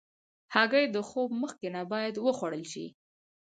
هګۍ د خوب مخکې نه باید وخوړل شي.